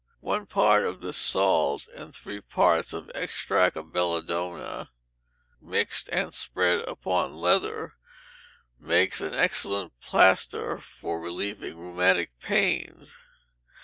One part of this salt, and three parts of extract of belladonna, mixed and spread upon leather, makes an excellent plaster for relieving rheumatic pains.